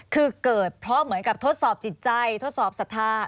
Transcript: คือเกิดเพราะเหมือนกับทดสอบจิตใจทดสอบศรัทธา